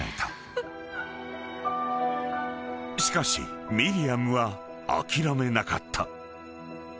［しかしミリアムは諦めなかった］